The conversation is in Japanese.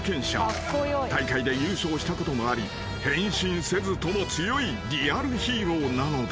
大会で優勝したこともあり変身せずとも強いリアルヒーローなのだ］